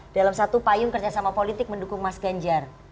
dalam satu payung kerjasama politik mendukung mas ganjar